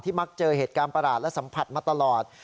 มักเจอเหตุการณ์ประหลาดและสัมผัสมาตลอด